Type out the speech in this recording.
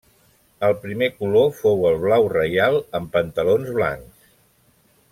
El primer color fou el blau reial amb pantalons blancs.